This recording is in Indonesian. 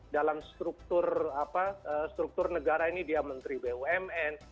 dalam struktur struktur negara ini dia menteri bumn